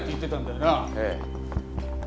ええ。